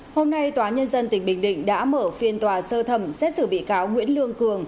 hôm nay tòa nhân dân tỉnh bình định đã mở phiên tòa sơ thẩm xét xử bị cáo nguyễn lương cường